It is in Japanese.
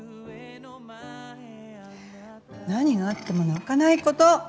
何があっても泣かないこと。